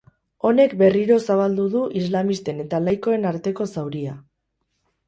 Honek berriro zabaldu du islamisten eta laikoen arteko zauria.